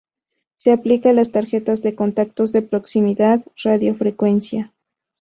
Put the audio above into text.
Se aplica a las tarjetas de contactos, de proximidad, radiofrecuencia...